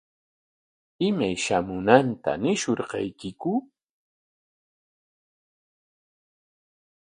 ¿Imay shamunanta ñishunqaykiku?